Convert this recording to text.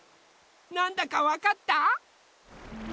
なんだかわかった？